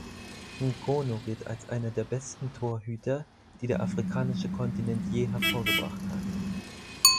N’Kono gilt als einer der besten Torhüter, die der afrikanische Kontinent je hervorgebracht hat.